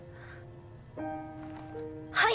はい。